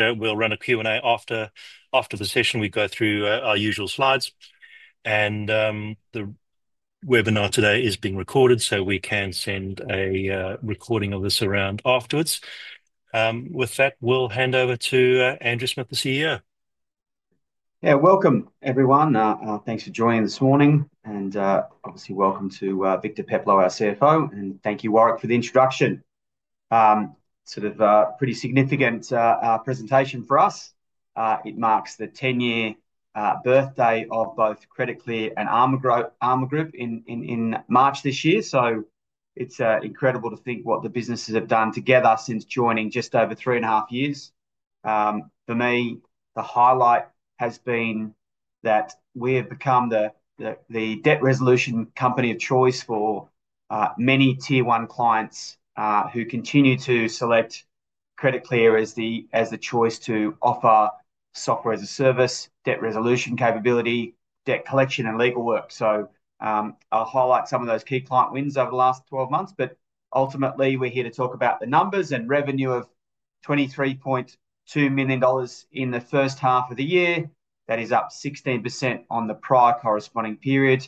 We'll run a Q&A after the session. We go through our usual slides. The webinar today is being recorded, so we can send a recording of this around afterwards. With that, we'll hand over to Andrew Smith, the CEO. Yeah, welcome, everyone. Thanks for joining this morning. Obviously, welcome to Victor Peplow, our CFO. Thank you, Warrick, for the introduction. Sort of a pretty significant presentation for us. It marks the 10-year birthday of both Credit Clear and Armour Group in March this year. It is incredible to think what the businesses have done together since joining just over three and a half years. For me, the highlight has been that we have become the debt resolution company of choice for many tier one clients who continue to select Credit Clear as the choice to offer software as a service, debt resolution capability, debt collection, and legal work. I will highlight some of those key client wins over the last 12 months. Ultimately, we are here to talk about the numbers and revenue of 23.2 million dollars in the first half of the year. That is up 16% on the prior corresponding period,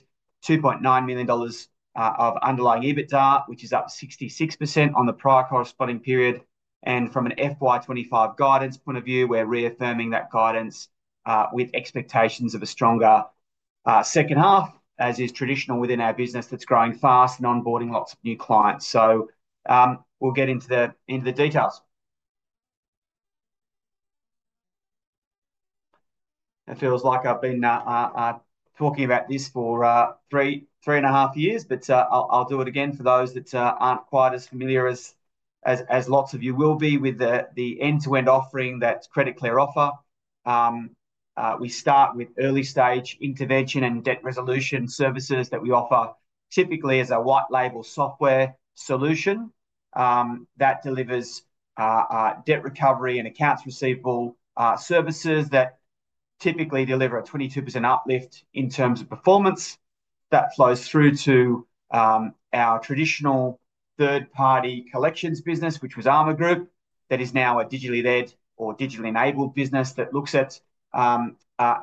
2.9 million dollars of underlying EBITDA, which is up 66% on the prior corresponding period. From an FY2025 guidance point of view, we are reaffirming that guidance with expectations of a stronger second half, as is traditional within our business that is growing fast and onboarding lots of new clients. We will get into the details. It feels like I have been talking about this for three and a half years, but I will do it again for those that are not quite as familiar as lots of you will be with the end-to-end offering that Credit Clear offers. We start with early-stage intervention and debt resolution services that we offer typically as a white-label software solution that delivers debt recovery and accounts receivable services that typically deliver a 22% uplift in terms of performance. That flows through to our traditional third-party collections business, which was Armour Group. That is now a digitally led or digitally enabled business that looks at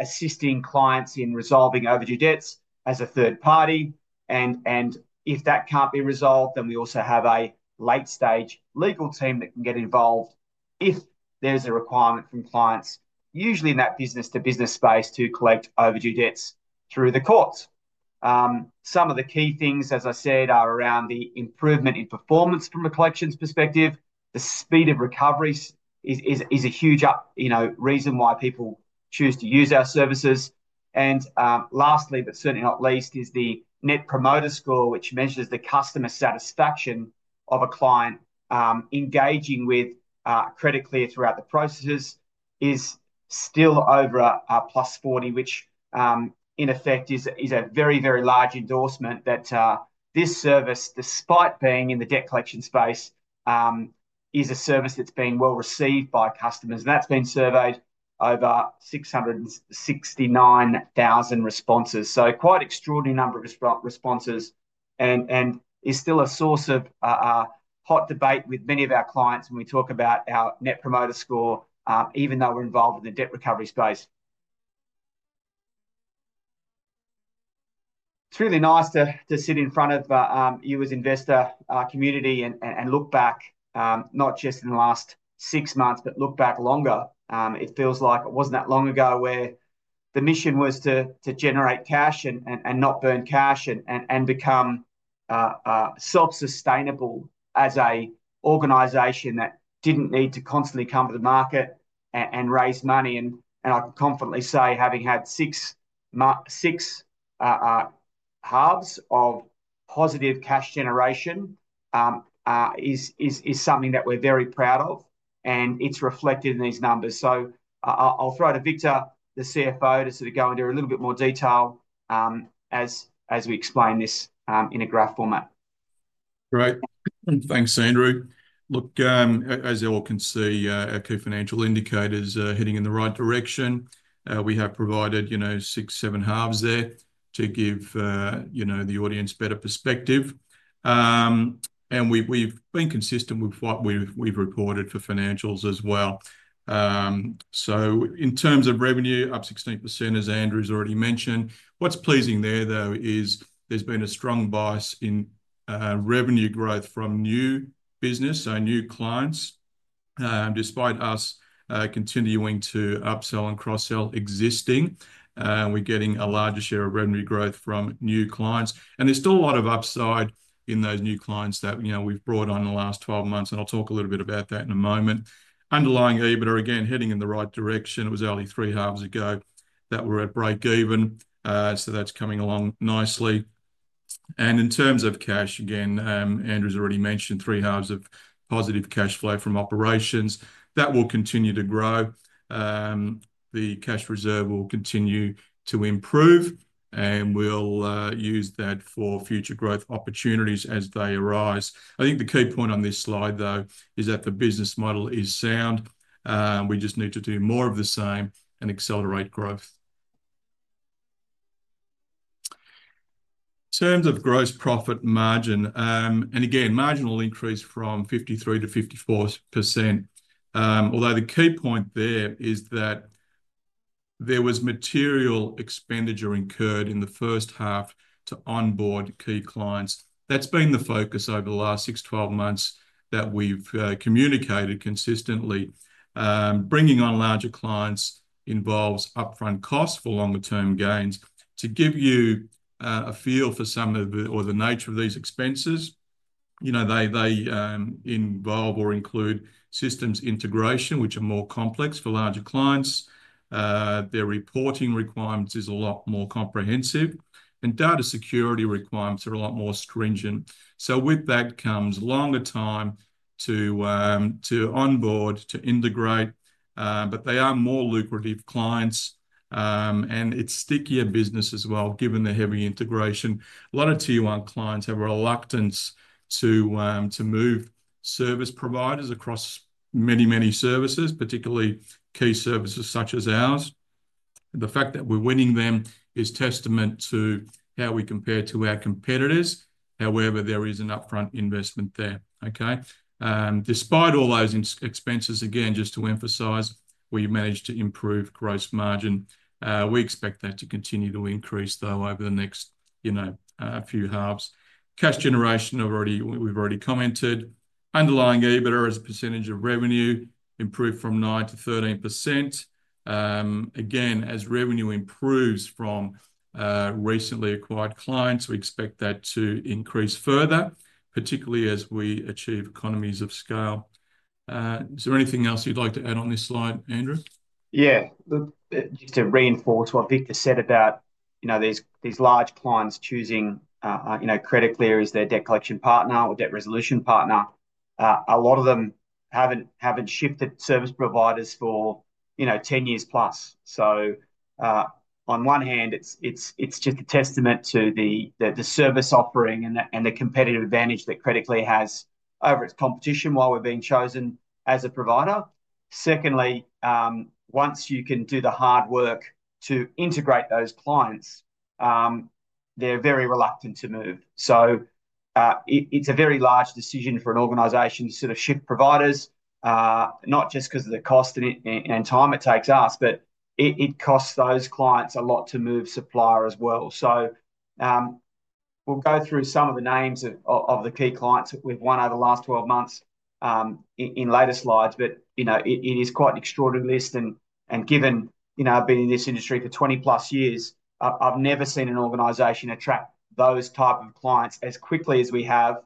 assisting clients in resolving overdue debts as a third party. If that cannot be resolved, we also have a late-stage legal team that can get involved if there is a requirement from clients, usually in that business-to-business space, to collect overdue debts through the courts. Some of the key things, as I said, are around the improvement in performance from a collections perspective. The speed of recovery is a huge reason why people choose to use our services. Lastly, but certainly not least, the Net Promoter Score, which measures the customer satisfaction of a client engaging with Credit Clear throughout the processes, is still over +40, which in effect is a very, very large endorsement that this service, despite being in the debt collection space, is a service that's been well received by customers. That's been surveyed over 669,000 responses. Quite an extraordinary number of responses. It's still a source of hot debate with many of our clients when we talk about our Net Promoter Score, even though we're involved in the debt recovery space. It's really nice to sit in front of you as an investor community and look back, not just in the last six months, but look back longer. It feels like it wasn't that long ago where the mission was to generate cash and not burn cash and become self-sustainable as an organization that didn't need to constantly come to the market and raise money. I can confidently say, having had six halves of positive cash generation is something that we're very proud of. It is reflected in these numbers. I'll throw it to Victor, the CFO, to sort of go into a little bit more detail as we explain this in a graph format. Great.Thanks, Andrew. Look, as you all can see, our key financial indicators are heading in the right direction. We have provided six, seven halves there to give the audience better perspective. We have been consistent with what we have reported for financials as well. In terms of revenue, up 16%, as Andrew's already mentioned. What is pleasing there, though, is there has been a strong bias in revenue growth from new business, so new clients. Despite us continuing to upsell and cross-sell existing, we are getting a larger share of revenue growth from new clients. There is still a lot of upside in those new clients that we have brought on in the last 12 months. I will talk a little bit about that in a moment. Underlying EBITDA, again, heading in the right direction. It was only three halves ago that we were at break-even. That is coming along nicely. In terms of cash, again, Andrew's already mentioned three halves of positive cash flow from operations. That will continue to grow. The cash reserve will continue to improve. We'll use that for future growth opportunities as they arise. I think the key point on this slide, though, is that the business model is sound. We just need to do more of the same and accelerate growth. In terms of gross profit margin, again, marginal increase from 53% to 54%. Although the key point there is that there was material expenditure incurred in the first half to onboard key clients. That's been the focus over the last 6 to 12 months that we've communicated consistently. Bringing on larger clients involves upfront costs for longer-term gains. To give you a feel for some of the nature of these expenses, they involve or include systems integration, which are more complex for larger clients. Their reporting requirements are a lot more comprehensive. Data security requirements are a lot more stringent. With that comes longer time to onboard, to integrate. They are more lucrative clients. It is stickier business as well, given the heavy integration. A lot of tier one clients have a reluctance to move service providers across many, many services, particularly key services such as ours. The fact that we're winning them is testament to how we compare to our competitors. However, there is an upfront investment there. Okay? Despite all those expenses, again, just to emphasize, we've managed to improve gross margin. We expect that to continue to increase, though, over the next few halves. Cash generation, we've already commented. Underlying EBITDA as a percentage of revenue improved from 9% to 13%. Again, as revenue improves from recently acquired clients, we expect that to increase further, particularly as we achieve economies of scale. Is there anything else you'd like to add on this slide, Andrew? Yeah. Just to reinforce what Victor said about these large clients choosing Credit Clear as their debt collection partner or debt resolution partner, a lot of them haven't shifted service providers for 10 years plus. On one hand, it's just a testament to the service offering and the competitive advantage that Credit Clear has over its competition while we're being chosen as a provider. Secondly, once you can do the hard work to integrate those clients, they're very reluctant to move. It's a very large decision for an organization to sort of shift providers, not just because of the cost and time it takes us, but it costs those clients a lot to move supplier as well. We'll go through some of the names of the key clients that we've won over the last 12 months in later slides. It is quite an extraordinary list. Given I've been in this industry for 20+ years, I've never seen an organization attract those types of clients as quickly as we have.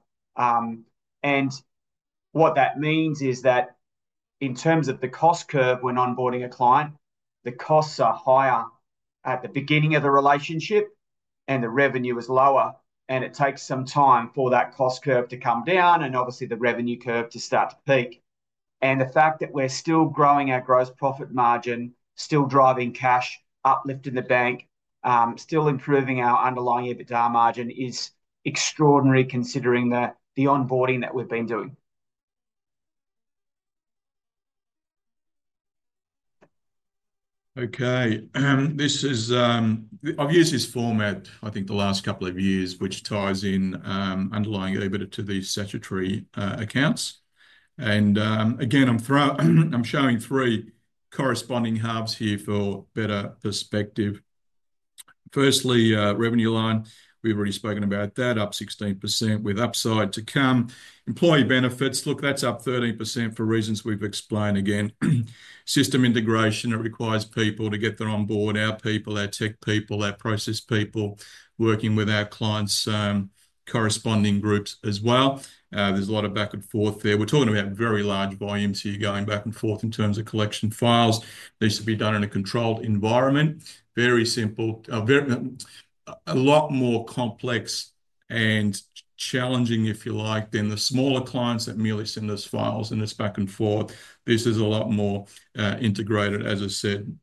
What that means is that in terms of the cost curve, when onboarding a client, the costs are higher at the beginning of the relationship, and the revenue is lower. It takes some time for that cost curve to come down and obviously the revenue curve to start to peak. The fact that we're still growing our gross profit margin, still driving cash, uplifting the bank, still improving our underlying EBITDA margin is extraordinary considering the onboarding that we've been doing. Okay. I've used this format, I think, the last couple of years, which ties in underlying EBITDA to these statutory accounts. Again, I'm showing three corresponding halves here for better perspective. Firstly, revenue line, we've already spoken about that, up 16% with upside to come. Employee benefits, look, that's up 13% for reasons we've explained again. System integration, it requires people to get them on board, our people, our tech people, our process people working with our clients' corresponding groups as well. There's a lot of back and forth there. We're talking about very large volumes here going back and forth in terms of collection files. These should be done in a controlled environment. Very simple. A lot more complex and challenging, if you like, than the smaller clients that merely send us files and it's back and forth. This is a lot more integrated, as I said.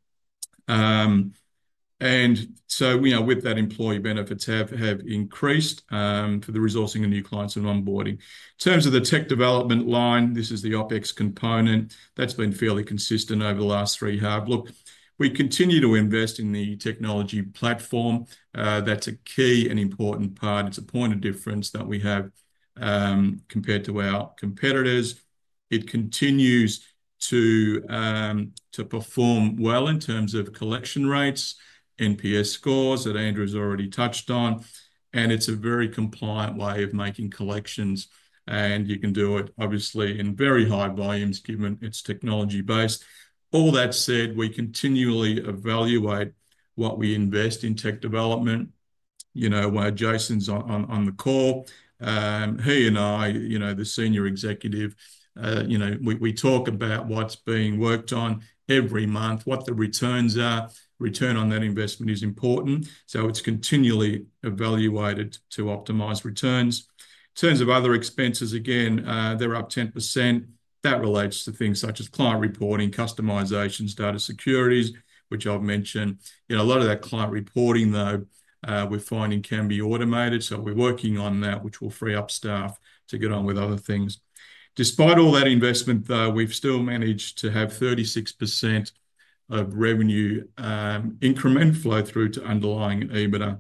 With that, employee benefits have increased for the resourcing of new clients and onboarding. In terms of the tech development line, this is the OPEX component. That has been fairly consistent over the last three halves. Look, we continue to invest in the technology platform. That is a key and important part. It is a point of difference that we have compared to our competitors. It continues to perform well in terms of collection rates, NPS scores that Andrew has already touched on. It is a very compliant way of making collections. You can do it, obviously, in very high volumes given its technology base. All that said, we continually evaluate what we invest in tech development. My Jason is on the call. He and I, the senior executive, we talk about what is being worked on every month, what the returns are. Return on that investment is important. It is continually evaluated to optimize returns. In terms of other expenses, again, they are up 10%. That relates to things such as client reporting, customizations, data securities, which I have mentioned. A lot of that client reporting, though, we are finding can be automated. We are working on that, which will free up staff to get on with other things. Despite all that investment, though, we have still managed to have 36% of revenue increment flow through to underlying EBITDA.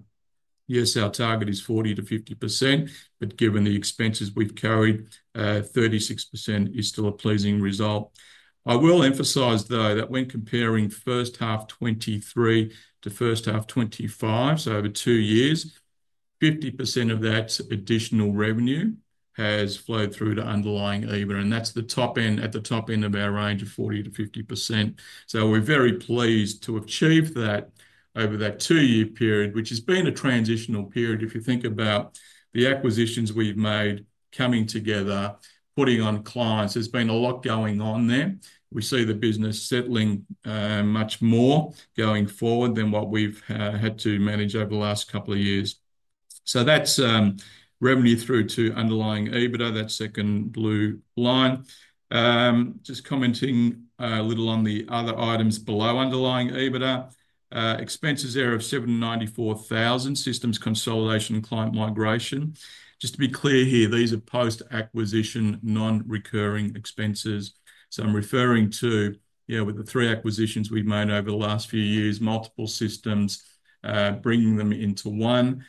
Yes, our target is 40%-50%. Given the expenses we have carried, 36% is still a pleasing result. I will emphasize, though, that when comparing first half 2023 to first half 2025, so over two years, 50% of that additional revenue has flowed through to underlying EBITDA. That is at the top end of our range of 40%-50%. We're very pleased to have achieved that over that two-year period, which has been a transitional period. If you think about the acquisitions we've made coming together, putting on clients, there's been a lot going on there. We see the business settling much more going forward than what we've had to manage over the last couple of years. That's revenue through to underlying EBITDA, that second blue line. Just commenting a little on the other items below underlying EBITDA. Expenses there of 794,000, systems consolidation, client migration. Just to be clear here, these are post-acquisition non-recurring expenses. I'm referring to, with the three acquisitions we've made over the last few years, multiple systems, bringing them into one.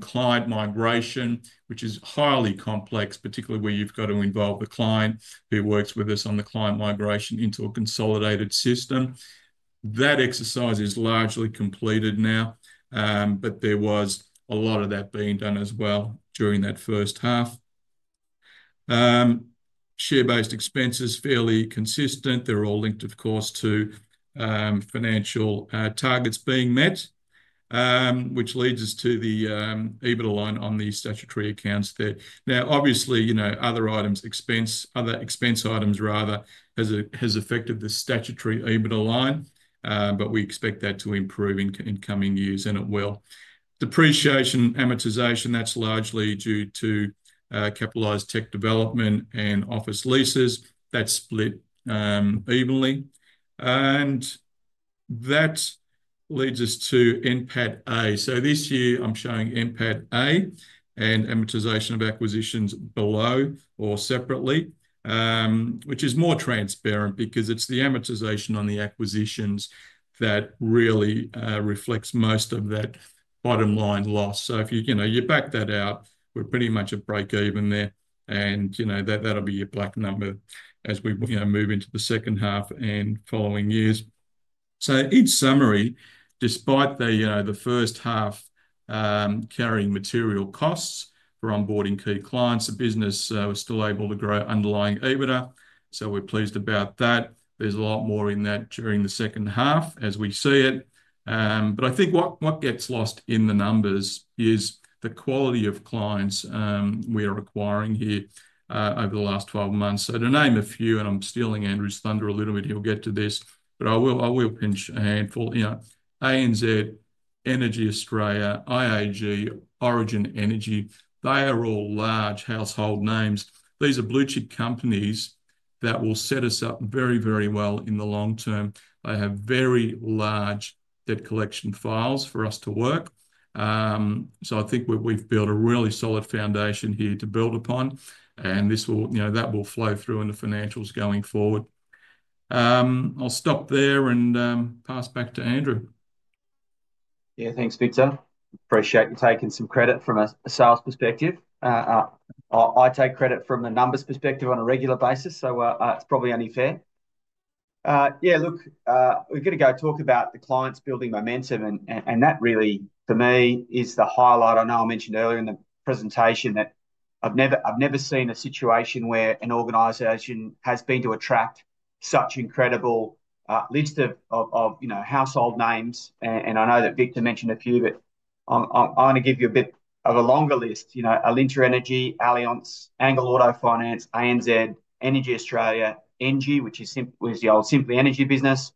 Client migration, which is highly complex, particularly where you've got to involve the client who works with us on the client migration into a consolidated system. That exercise is largely completed now. There was a lot of that being done as well during that first half. Share-based expenses, fairly consistent. They are all linked, of course, to financial targets being met, which leads us to the EBITDA line on the statutory accounts there. Obviously, other items, expense items rather, have affected the statutory EBITDA line. We expect that to improve in coming years, and it will. Depreciation, amortization, that is largely due to capitalized tech development and office leases. That is split evenly. That leads us to NPAT-A. This year, I am showing NPAT-A and amortization of acquisitions below or separately, which is more transparent because it is the amortization on the acquisitions that really reflects most of that bottom line loss. If you back that out, we are pretty much at break-even there. That'll be your black number as we move into the second half and following years. In summary, despite the first half carrying material costs for onboarding key clients, the business was still able to grow underlying EBITDA. We're pleased about that. There's a lot more in that during the second half as we see it. I think what gets lost in the numbers is the quality of clients we are acquiring here over the last 12 months. To name a few, and I'm stealing Andrew's thunder a little bit, he'll get to this, but I will pinch a handful. ANZ, EnergyAustralia, IAG, Origin Energy, they are all large household names. These are blue-chip companies that will set us up very, very well in the long term. They have very large debt collection files for us to work. I think we've built a really solid foundation here to build upon. That will flow through in the financials going forward. I'll stop there and pass back to Andrew. Yeah, thanks, Victor. Appreciate you taking some credit from a sales perspective. I take credit from the numbers perspective on a regular basis, so it's probably only fair. Yeah, look, we're going to go talk about the clients building momentum. That really, for me, is the highlight. I know I mentioned earlier in the presentation that I've never seen a situation where an organization has been able to attract such an incredible list of household names. I know that Victor mentioned a few, but I'm going to give you a bit of a longer list. Alinta Energy, Allianz, Angle Auto Finance, ANZ, EnergyAustralia, Engie, which is our Simply Energy business,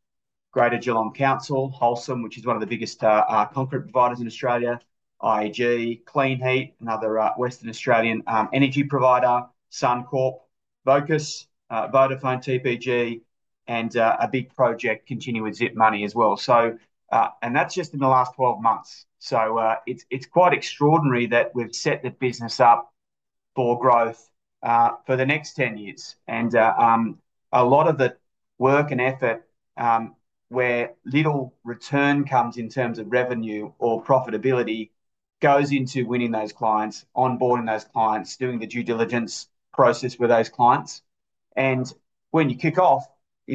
Greater Geelong City Council, Holcim, which is one of the biggest concrete providers in Australia, IAG, Kleenheat, another Western Australian energy provider, Suncorp, Vocus, Vodafone TPG, and a big project, continuing Zip Money as well. That is just in the last 12 months. It is quite extraordinary that we have set the business up for growth for the next 10 years. A lot of the work and effort where little return comes in terms of revenue or profitability goes into winning those clients, onboarding those clients, doing the due diligence process with those clients. When you kick off,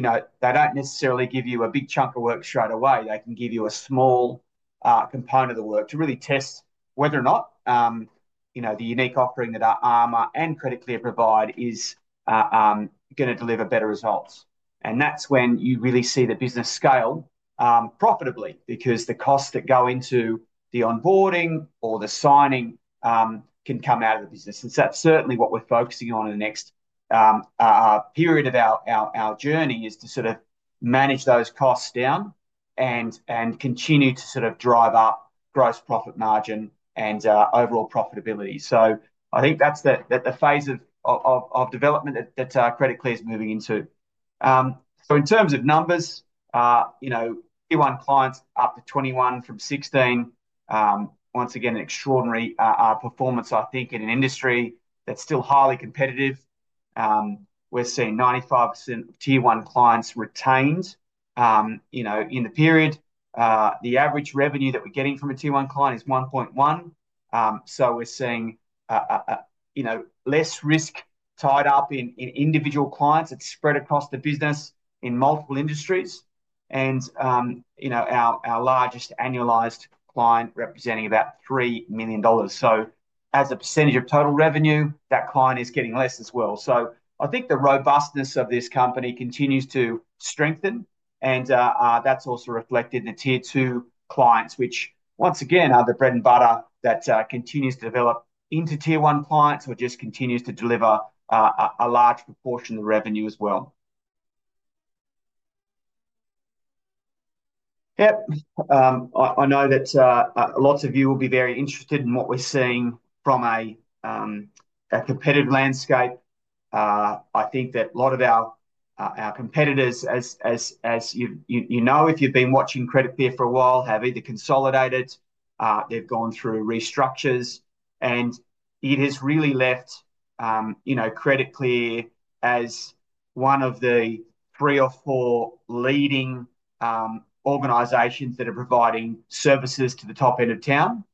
they do not necessarily give you a big chunk of work straight away. They can give you a small component of the work to really test whether or not the unique offering that our Armour Group and Credit Clear provide is going to deliver better results. That is when you really see the business scale profitably because the costs that go into the onboarding or the signing can come out of the business. That's certainly what we're focusing on in the next period of our journey, to sort of manage those costs down and continue to sort of drive up gross profit margin and overall profitability. I think that's the phase of development that Credit Clear is moving into. In terms of numbers, Tier 1 clients are up to 21 from 16, once again, extraordinary performance, I think, in an industry that's still highly competitive. We're seeing 95% of Tier 1 clients retained in the period. The average revenue that we're getting from a Tier 1 client is 1.1 million. We're seeing less risk tied up in individual clients. It's spread across the business in multiple industries. Our largest annualized client represents about 3 million dollars. As a percentage of total revenue, that client is getting less as well. I think the robustness of this company continues to strengthen. That is also reflected in the Tier 2 clients, which, once again, are the bread and butter that continues to develop into Tier 1 clients or just continues to deliver a large proportion of the revenue as well. Yep. I know that lots of you will be very interested in what we're seeing from a competitive landscape. I think that a lot of our competitors, as you know, if you've been watching Credit Clear for a while, have either consolidated, they've gone through restructures. It has really left Credit Clear as one of the three or four leading organizations that are providing services to the top end of town.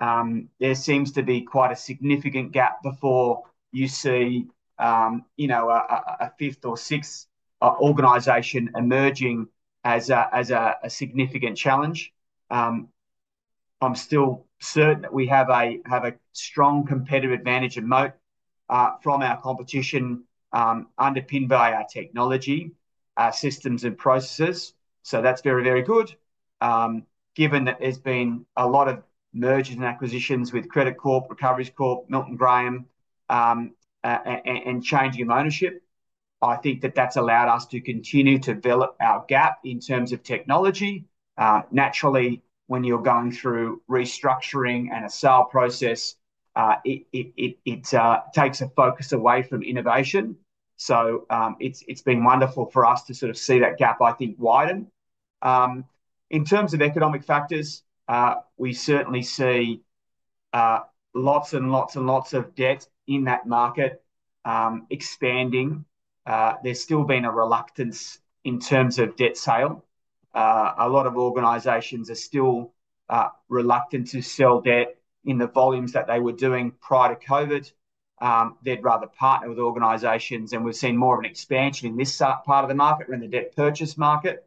There seems to be quite a significant gap before you see a fifth or sixth organization emerging as a significant challenge. I'm still certain that we have a strong competitive advantage and moat from our competition underpinned by our technology, our systems, and processes. That's very, very good. Given that there's been a lot of mergers and acquisitions with Credit Corp, Recoveriescorp, Milton Graham, and changing of ownership, I think that has allowed us to continue to develop our gap in terms of technology. Naturally, when you're going through restructuring and a sale process, it takes a focus away from innovation. It's been wonderful for us to sort of see that gap, I think, widen. In terms of economic factors, we certainly see lots and lots and lots of debt in that market expanding. There's still been a reluctance in terms of debt sale. A lot of organizations are still reluctant to sell debt in the volumes that they were doing prior to COVID. They'd rather partner with organizations. We've seen more of an expansion in this part of the market, in the debt purchase market.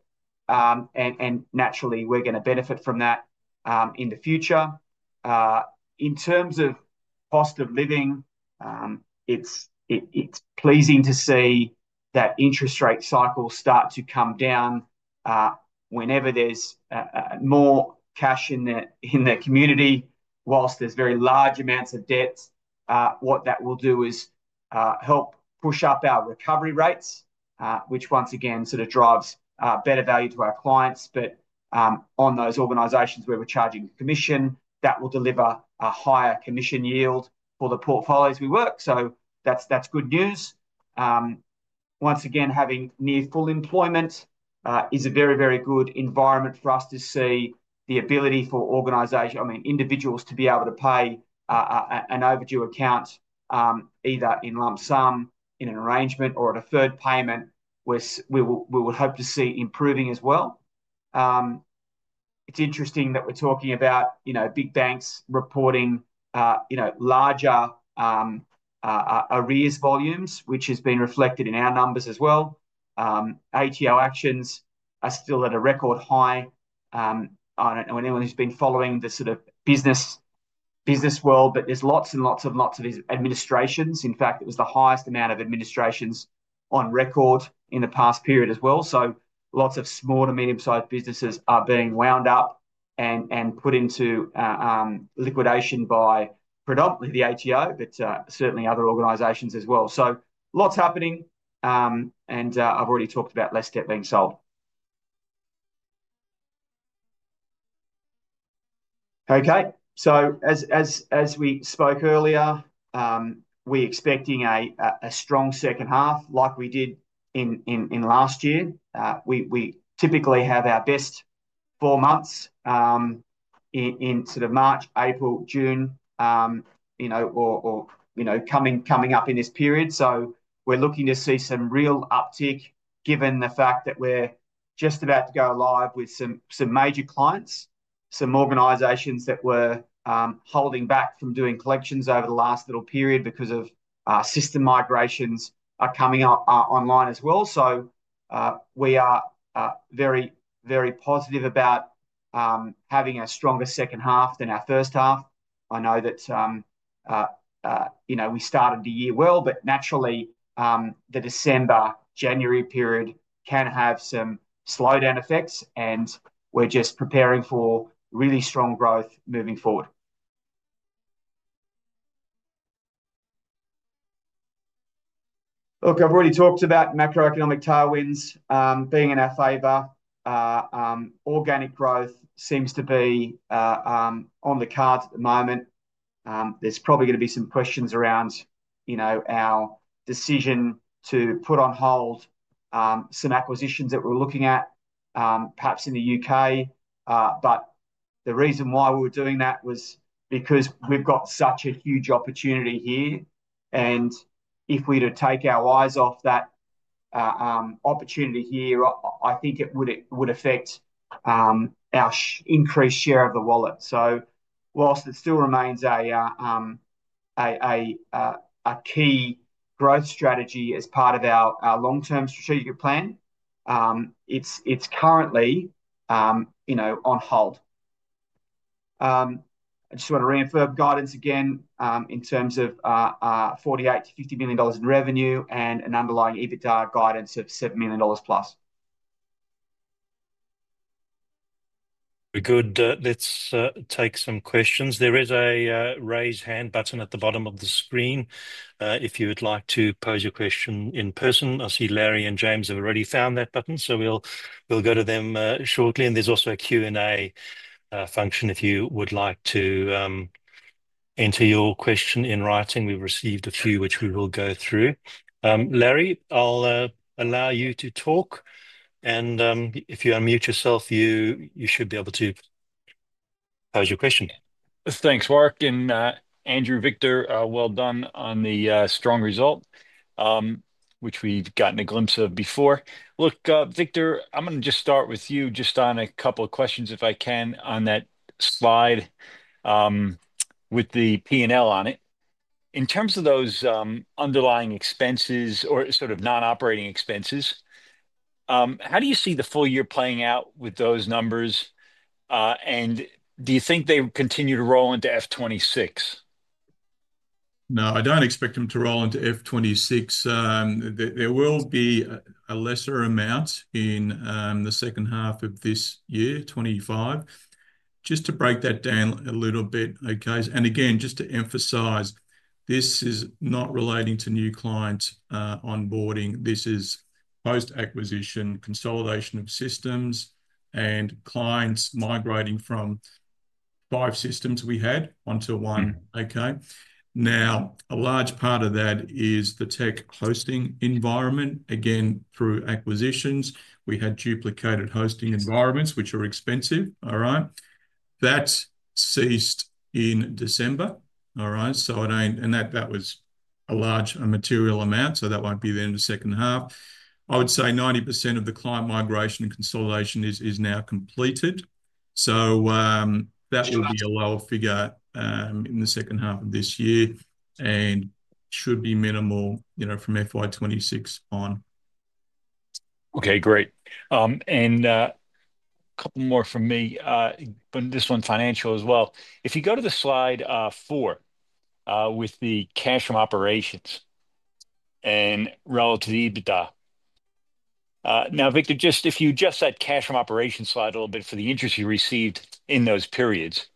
Naturally, we're going to benefit from that in the future. In terms of cost of living, it's pleasing to see that interest rate cycles start to come down whenever there's more cash in the community. Whilst there's very large amounts of debt, what that will do is help push up our recovery rates, which, once again, sort of drives better value to our clients. On those organizations where we're charging commission, that will deliver a higher commission yield for the portfolios we work. That's good news. Once again, having near full employment is a very, very good environment for us to see the ability for organizations, I mean, individuals to be able to pay an overdue account either in lump sum, in an arrangement, or at a third payment, which we would hope to see improving as well. It's interesting that we're talking about big banks reporting larger arrears volumes, which has been reflected in our numbers as well. ATO actions are still at a record high. I don't know anyone who's been following the sort of business world, but there's lots and lots and lots of administrations. In fact, it was the highest amount of administrations on record in the past period as well. Lots of small to medium-sized businesses are being wound up and put into liquidation by predominantly the ATO, but certainly other organizations as well. Lots happening. I've already talked about less debt being sold. Okay. As we spoke earlier, we're expecting a strong second half like we did in last year. We typically have our best four months in sort of March, April, June, or coming up in this period. We are looking to see some real uptick given the fact that we're just about to go live with some major clients, some organizations that were holding back from doing collections over the last little period because of system migrations coming online as well. We are very, very positive about having a stronger second half than our first half. I know that we started the year well, but naturally, the December, January period can have some slowdown effects. We're just preparing for really strong growth moving forward. Look, I've already talked about macroeconomic tailwinds being in our favor. Organic growth seems to be on the cards at the moment. There's probably going to be some questions around our decision to put on hold some acquisitions that we're looking at, perhaps in the U.K. The reason why we were doing that was because we've got such a huge opportunity here. If we were to take our eyes off that opportunity here, I think it would affect our increased share of the wallet. Whilst it still remains a key growth strategy as part of our long-term strategic plan, it's currently on hold. I just want to reaffirm guidance again in terms of 48 million-50 million dollars in revenue and an underlying EBITDA guidance of 7 million dollars plus. We could let's take some questions. There is a raise hand button at the bottom of the screen if you would like to pose your question in person. I see Larry and James have already found that button, so we will go to them shortly. There is also a Q&A function if you would like to enter your question in writing. We have received a few, which we will go through. Larry, I will allow you to talk. If you unmute yourself, you should be able to pose your question. Thanks, Warrick. Andrew, Victor, well done on the strong result, which we've gotten a glimpse of before. Look, Victor, I'm going to just start with you just on a couple of questions, if I can, on that slide with the P&L on it. In terms of those underlying expenses or sort of non-operating expenses, how do you see the full year playing out with those numbers? Do you think they continue to roll into F2026? No, I don't expect them to roll into FY26. There will be a lesser amount in the second half of this year, 2025. Just to break that down a little bit, okay? Just to emphasize, this is not relating to new clients onboarding. This is post-acquisition consolidation of systems and clients migrating from five systems we had onto one, okay? A large part of that is the tech hosting environment. Through acquisitions, we had duplicated hosting environments, which are expensive, all right? That ceased in December, all right? That was a large material amount, so that won't be there in the second half. I would say 90% of the client migration and consolidation is now completed. That will be a lower figure in the second half of this year and should be minimal from FY26 on. Okay, great. A couple more from me, but this one's financial as well. If you go to slide four with the cash from operations and relative to EBITDA. Now, Victor, just if you just said cash from operations slide a little bit for the interest you received in those periods,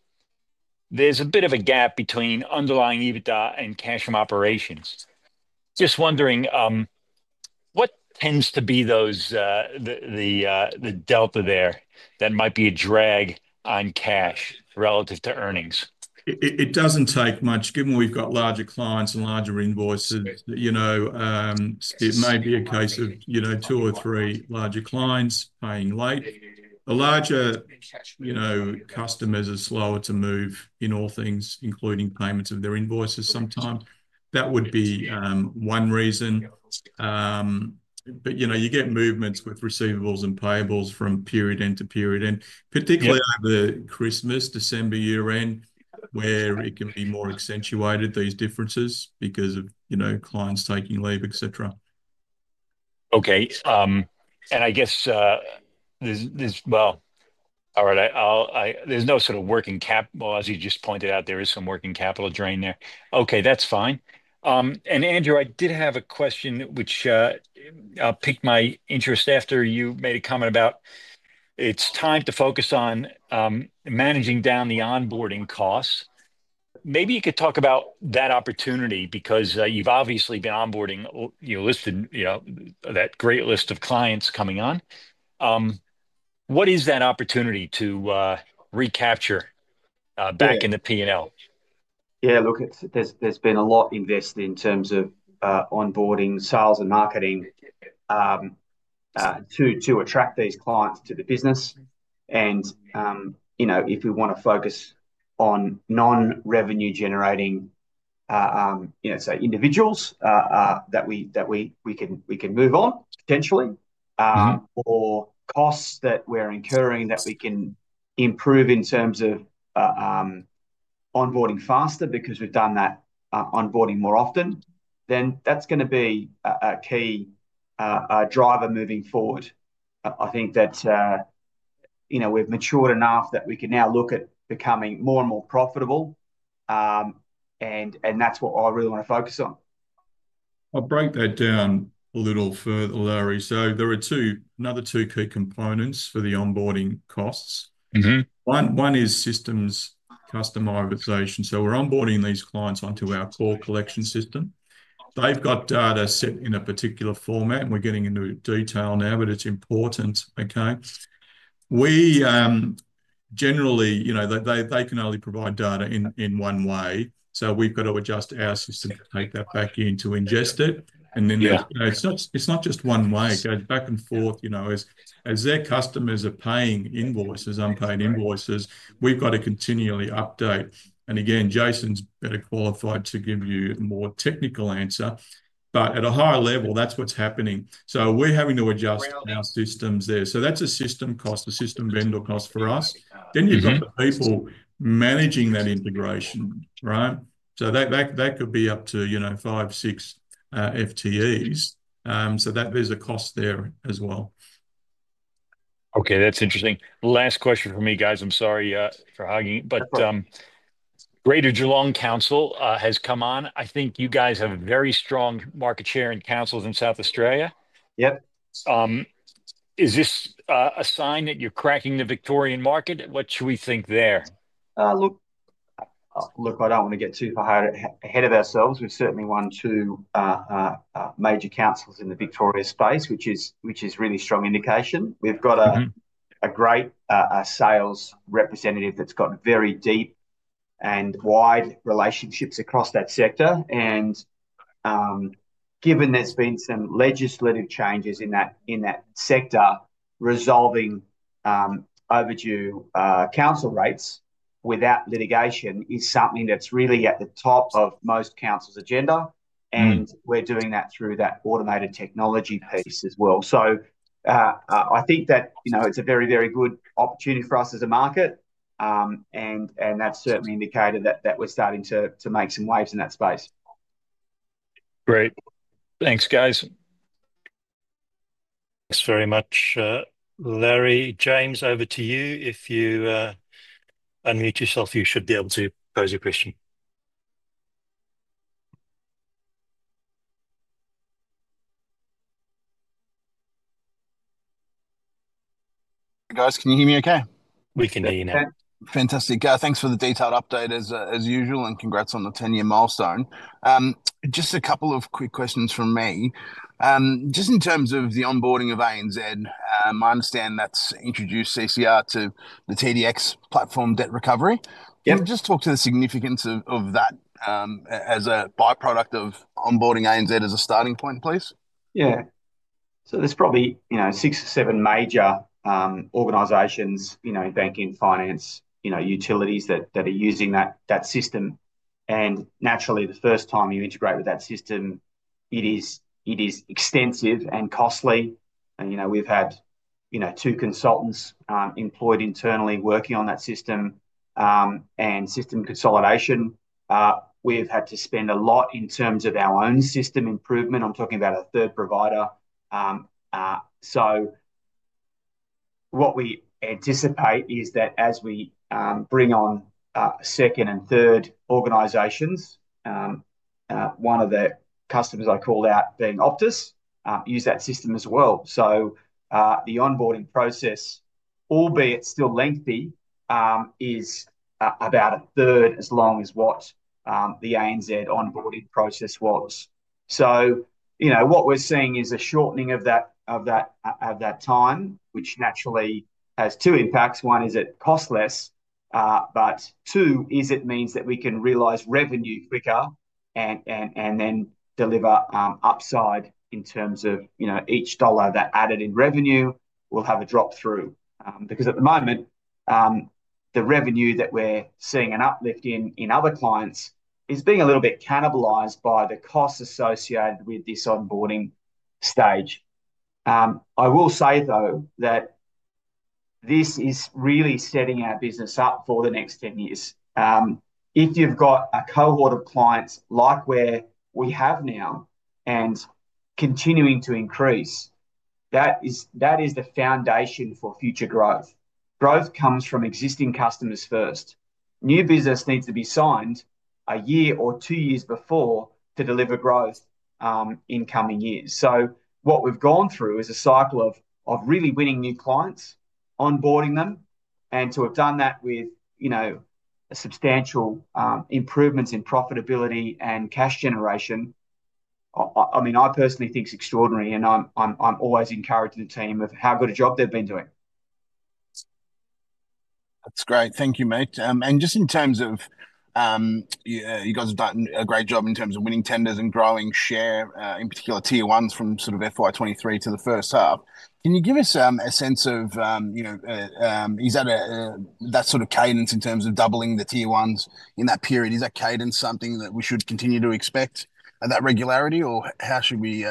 there's a bit of a gap between underlying EBITDA and cash from operations. Just wondering, what tends to be the delta there that might be a drag on cash relative to earnings? It doesn't take much. Given we've got larger clients and larger invoices, it may be a case of two or three larger clients paying late. The larger customers are slower to move in all things, including payments of their invoices sometimes. That would be one reason. You get movements with receivables and payables from period end to period end, particularly over Christmas, December year-end, where it can be more accentuated, these differences because of clients taking leave, etc. Okay. I guess, all right, there's no sort of working capital, as you just pointed out. There is some working capital drain there. Okay, that's fine. Andrew, I did have a question, which picked my interest after you made a comment about it's time to focus on managing down the onboarding costs. Maybe you could talk about that opportunity because you've obviously been onboarding that great list of clients coming on. What is that opportunity to recapture back in the P&L? Yeah, look, there's been a lot invested in terms of onboarding, sales, and marketing to attract these clients to the business. If we want to focus on non-revenue-generating, say, individuals that we can move on potentially, or costs that we're incurring that we can improve in terms of onboarding faster because we've done that onboarding more often, then that's going to be a key driver moving forward. I think that we've matured enough that we can now look at becoming more and more profitable. That's what I really want to focus on. I'll break that down a little further, Larry. There are another two key components for the onboarding costs. One is systems customization. We're onboarding these clients onto our core collection system. They've got data set in a particular format, and we're getting into detail now, but it's important, okay? Generally, they can only provide data in one way. We've got to adjust our system to take that back in to ingest it. It's not just one way. It goes back and forth. As their customers are paying invoices, unpaid invoices, we've got to continually update. Jason's better qualified to give you a more technical answer. At a higher level, that's what's happening. We're having to adjust our systems there. That's a system cost, a system vendor cost for us. You've got the people managing that integration, right? That could be up to five, six FTEs. There is a cost there as well. Okay, that's interesting. Last question for me, guys. I'm sorry for hogging it. Greater Geelong City Council has come on. I think you guys have a very strong market share in councils in South Australia. Yep. Is this a sign that you're cracking the Victorian market? What should we think there? Look, I don't want to get too far ahead of ourselves. We've certainly won two major councils in the Victoria space, which is a really strong indication. We've got a great sales representative that's got very deep and wide relationships across that sector. Given there's been some legislative changes in that sector, resolving overdue council rates without litigation is something that's really at the top of most councils' agenda. We're doing that through that automated technology piece as well. I think that it's a very, very good opportunity for us as a market. That's certainly indicated that we're starting to make some waves in that space. Great. Thanks, guys. Thanks very much, Larry. James, over to you. If you unmute yourself, you should be able to pose your question. Hey, guys, can you hear me okay? We can hear you now. Fantastic. Thanks for the detailed update as usual, and congrats on the 10-year milestone. Just a couple of quick questions from me. Just in terms of the onboarding of ANZ, I understand that's introduced CCR to the TDX platform debt recovery. Can you just talk to the significance of that as a byproduct of onboarding ANZ as a starting point, please? Yeah. There are probably six or seven major organizations, banking, finance, utilities that are using that system. Naturally, the first time you integrate with that system, it is extensive and costly. We've had two consultants employed internally working on that system and system consolidation. We've had to spend a lot in terms of our own system improvement. I'm talking about a third provider. What we anticipate is that as we bring on second and third organizations, one of the customers I called out being Optus used that system as well. The onboarding process, albeit still lengthy, is about a third as long as what the ANZ onboarding process was. What we're seeing is a shortening of that time, which naturally has two impacts. One is it costs less, but two, it means that we can realize revenue quicker and then deliver upside in terms of each dollar that added in revenue will have a drop through. Because at the moment, the revenue that we're seeing an uplift in other clients is being a little bit cannibalized by the costs associated with this onboarding stage. I will say, though, that this is really setting our business up for the next 10 years. If you've got a cohort of clients like where we have now and continuing to increase, that is the foundation for future growth. Growth comes from existing customers first. New business needs to be signed a year or two years before to deliver growth in coming years. What we've gone through is a cycle of really winning new clients, onboarding them. To have done that with substantial improvements in profitability and cash generation, I mean, I personally think it's extraordinary. I'm always encouraging the team of how good a job they've been doing. That's great. Thank you, mate. Just in terms of you guys have done a great job in terms of winning tenders and growing share, in particular, tier ones from sort of FY2023 to the first half. Can you give us a sense of is that that sort of cadence in terms of doubling the tier ones in that period? Is that cadence something that we should continue to expect, that regularity? How should we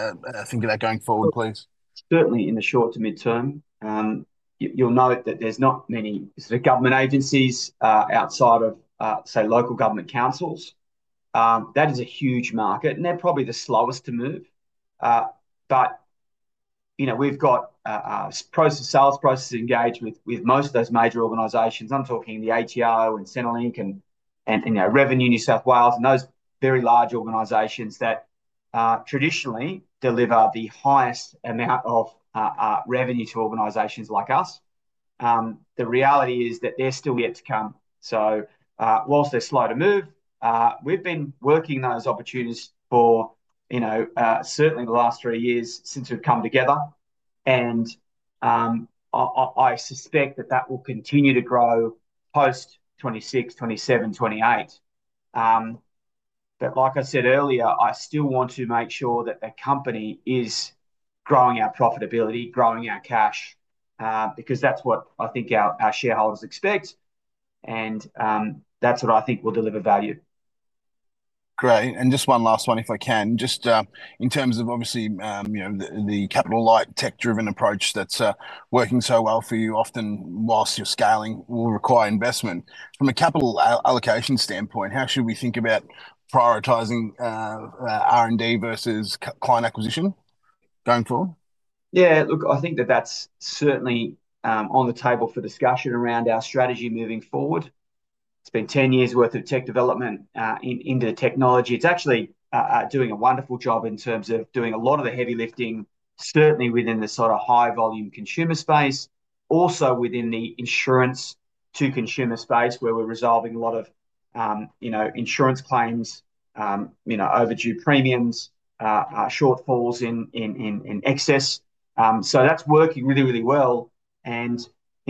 think of that going forward, please? Certainly, in the short to midterm, you'll note that there's not many sort of government agencies outside of, say, local government councils. That is a huge market, and they're probably the slowest to move. We have got sales process engagement with most of those major organizations. I'm talking the ATO and Centrelink and Revenue New South Wales, and those very large organizations that traditionally deliver the highest amount of revenue to organizations like us. The reality is that they're still yet to come. Whilst they're slow to move, we've been working those opportunities for certainly the last three years since we've come together. I suspect that that will continue to grow post 2026, 2027, 2028. Like I said earlier, I still want to make sure that the company is growing our profitability, growing our cash, because that's what I think our shareholders expect. I think that will deliver value. Great. Just one last one, if I can. Just in terms of, obviously, the capital-light tech-driven approach that's working so well for you often whilst you're scaling will require investment. From a capital allocation standpoint, how should we think about prioritizing R&D versus client acquisition going forward? Yeah, look, I think that that's certainly on the table for discussion around our strategy moving forward. It's been 10 years' worth of tech development into the technology. It's actually doing a wonderful job in terms of doing a lot of the heavy lifting, certainly within the sort of high-volume consumer space, also within the insurance to consumer space where we're resolving a lot of insurance claims, overdue premiums, shortfalls in excess. That's working really, really well.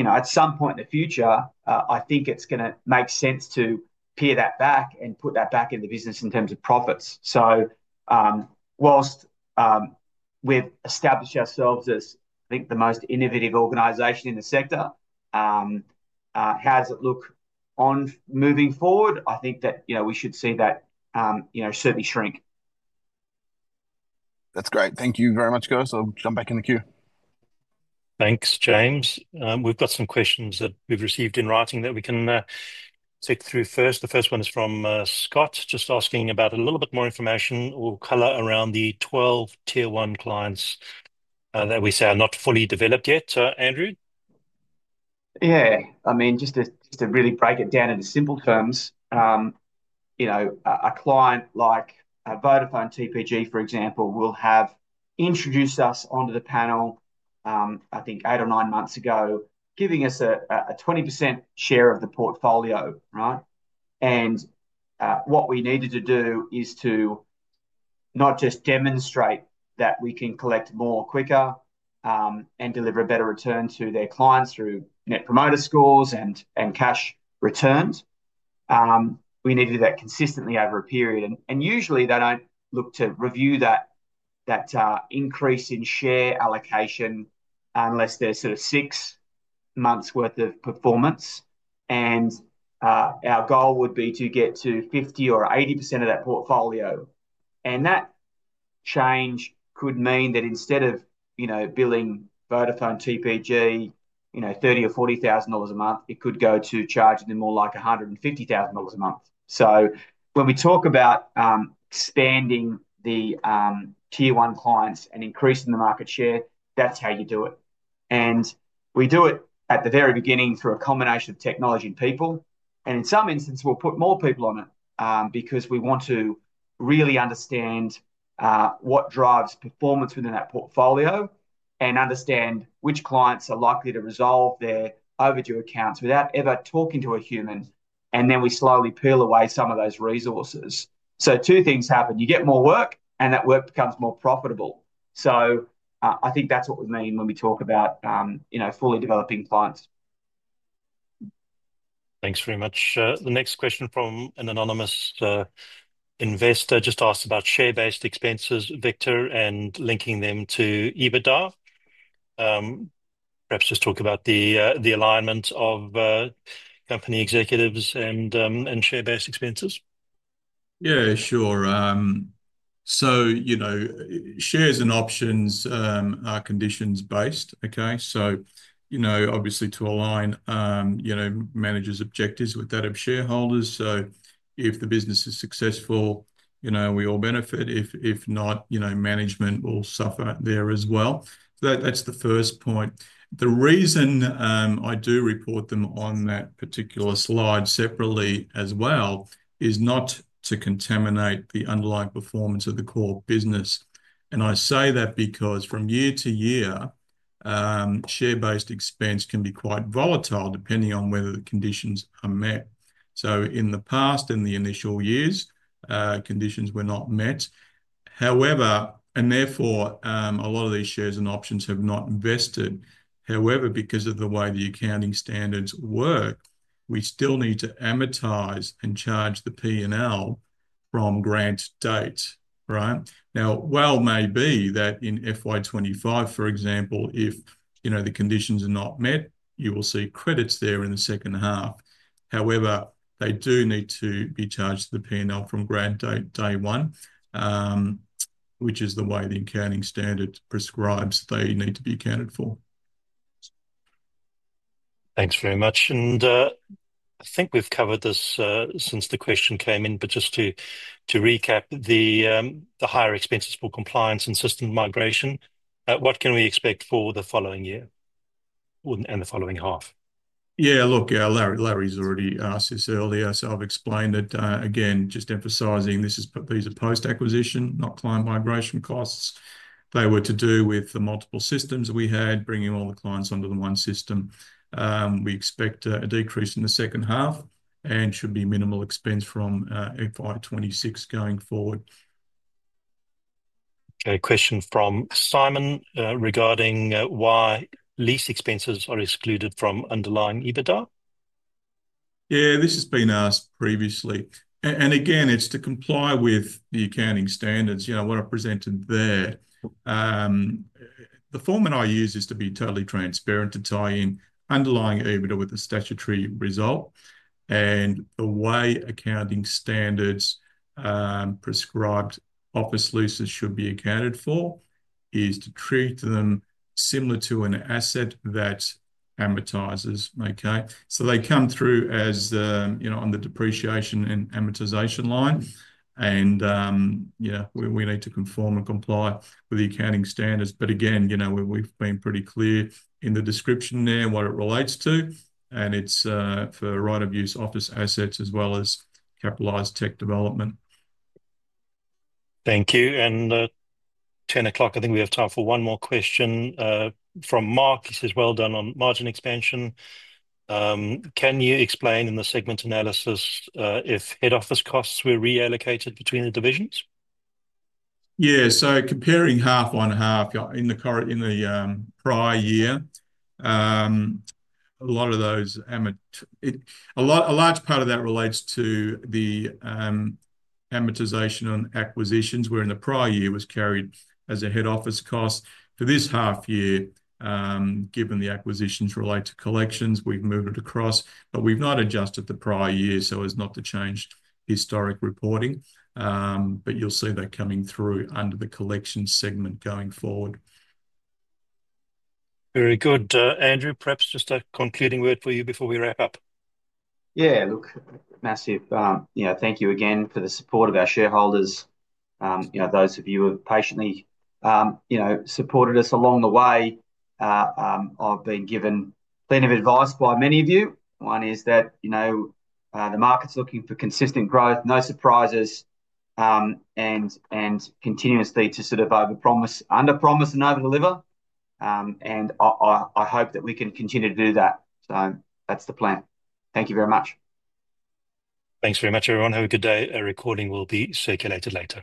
At some point in the future, I think it's going to make sense to peer that back and put that back in the business in terms of profits. Whilst we've established ourselves as, I think, the most innovative organization in the sector, how does it look moving forward? I think that we should see that certainly shrink. That's great. Thank you very much, guys. I'll jump back in the queue. Thanks, James. We've got some questions that we've received in writing that we can take through first. The first one is from Scott, just asking about a little bit more information or color around the 12 tier one clients that we say are not fully developed yet. So, Andrew? Yeah. I mean, just to really break it down into simple terms, a client like Vodafone TPG, for example, will have introduced us onto the panel, I think, eight or nine months ago, giving us a 20% share of the portfolio, right? What we needed to do is to not just demonstrate that we can collect more quicker and deliver a better return to their clients through Net Promoter Scores and cash returns. We need to do that consistently over a period. Usually, they don't look to review that increase in share allocation unless there's sort of six months' worth of performance. Our goal would be to get to 50% or 80% of that portfolio. That change could mean that instead of billing Vodafone TPG 30,000 or 40,000 dollars a month, it could go to charging them more like 150,000 dollars a month. When we talk about expanding the tier one clients and increasing the market share, that's how you do it. We do it at the very beginning through a combination of technology and people. In some instances, we'll put more people on it because we want to really understand what drives performance within that portfolio and understand which clients are likely to resolve their overdue accounts without ever talking to a human. We slowly peel away some of those resources. Two things happen. You get more work, and that work becomes more profitable. I think that's what we mean when we talk about fully developing clients. Thanks very much. The next question from an anonymous investor just asked about share-based expenses, Victor, and linking them to EBITDA. Perhaps just talk about the alignment of company executives and share-based expenses. Yeah, sure. Shares and options are conditions-based, okay? Obviously, to align managers' objectives with that of shareholders. If the business is successful, we all benefit. If not, management will suffer there as well. That's the first point. The reason I do report them on that particular slide separately as well is not to contaminate the underlying performance of the core business. I say that because from year to year, share-based expense can be quite volatile depending on whether the conditions are met. In the past, in the initial years, conditions were not met. Therefore, a lot of these shares and options have not vested. However, because of the way the accounting standards work, we still need to amortize and charge the P&L from grant date, right? Now, while it may be that in FY25, for example, if the conditions are not met, you will see credits there in the second half. However, they do need to be charged to the P&L from grant date day one, which is the way the accounting standard prescribes they need to be accounted for. Thanks very much. I think we've covered this since the question came in, but just to recap the higher expenses for compliance and system migration, what can we expect for the following year and the following half? Yeah, look, Larry's already asked this earlier, so I've explained it. Again, just emphasizing these are post-acquisition, not client migration costs. They were to do with the multiple systems we had, bringing all the clients under the one system. We expect a decrease in the second half and should be minimal expense from FY 2026 going forward. Okay. Question from Simon regarding why lease expenses are excluded from underlying EBITDA? Yeah, this has been asked previously. Again, it's to comply with the accounting standards, what I presented there. The format I use is to be totally transparent to tie in underlying EBITDA with the statutory result. The way accounting standards prescribe office leases should be accounted for is to treat them similar to an asset that amortizes, okay? They come through as on the depreciation and amortization line. We need to conform and comply with the accounting standards. Again, we've been pretty clear in the description there and what it relates to. It's for right-of-use office assets as well as capitalized tech development. Thank you. At 10:00 AM, I think we have time for one more question from Mark. He says, "Well done on margin expansion. Can you explain in the segment analysis if head office costs were reallocated between the divisions? Yeah. Comparing half-by-half in the prior year, a large part of that relates to the amortization on acquisitions where in the prior year it was carried as a head office cost. For this half year, given the acquisitions relate to collections, we've moved it across. We've not adjusted the prior year, so it's not to change historic reporting. You'll see that coming through under the collection segment going forward. Very good. Andrew, perhaps just a concluding word for you before we wrap up. Yeah, look, massive thank you again for the support of our shareholders. Those of you who have patiently supported us along the way, I've been given plenty of advice by many of you. One is that the market's looking for consistent growth, no surprises, and continuously to sort of overpromise, underpromise, and overdeliver. I hope that we can continue to do that. That is the plan. Thank you very much. Thanks very much, everyone. Have a good day. A recording will be circulated later.